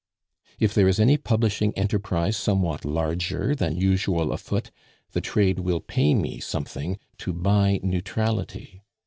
If there is any publishing enterprise somewhat larger than usual afoot, the trade will pay me something to buy neutrality.